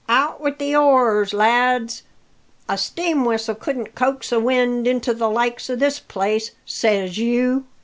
"Out with the oars, lads! a steam whistle couldn't coax a wind into the likes o' this place, says you."